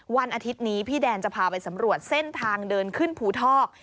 วันอาทิตย์นี้พี่แดนจะพาไปสำรวจเส้นทางเดินขึ้นภูทอก